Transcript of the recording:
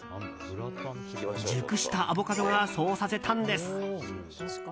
熟したアボカドがそうさせたのです。